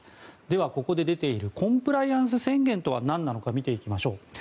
では、ここで出ているコンプライアンス宣言とは何か見ていきます。